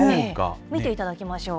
見ていただきましょう。